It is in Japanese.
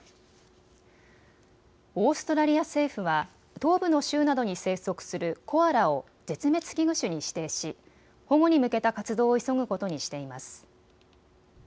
オーストラリア政府は東部の州などに生息するコアラを絶滅危惧種に指定し保護に向けた活動を急ぐことにしています。